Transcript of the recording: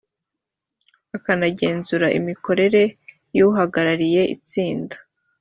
akanagenzura imikorere y uhagarariye itsinda